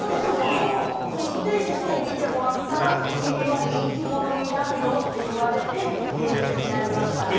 そして手相を見てもらったら君は人気者になるよって言われて芸人になりました。